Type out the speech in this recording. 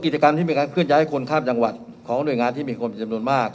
กิจกรรมที่มีการเคลื่อนย้ายคนข้ามจังหวัดของหน่วยงานที่มีคนจำนวนมาก